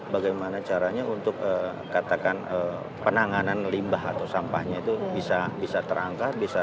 bagaimana caranya untuk katakan penanganan limbah atau sampahnya itu bisa terangkat